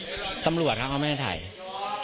กลุ่มวัยรุ่นกลัวว่าจะไม่ได้รับความเป็นธรรมทางด้านคดีจะคืบหน้า